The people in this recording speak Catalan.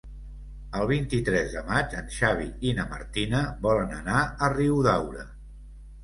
El vint-i-tres de maig en Xavi i na Martina volen anar a Riudaura.